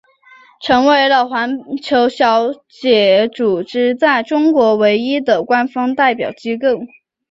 成为了环球小姐组织在中国唯一的官方代表机构。